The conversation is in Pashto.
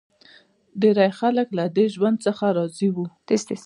ډېری خلک له دې ژوند څخه راضي وو